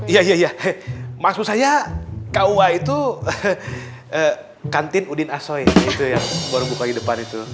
iya iya maksud saya kua itu kantin udin asoi yang baru buka di depan itu